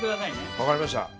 分かりました。